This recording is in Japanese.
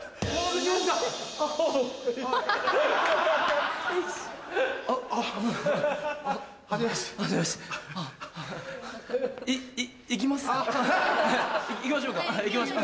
中行きます？